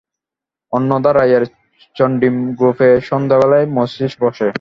অন্নদা রায়ের চণ্ডীমণ্ডপে সন্ধ্যাবেলায় মজলিশ বসে।